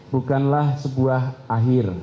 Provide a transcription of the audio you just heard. bukanlah sebuah akhir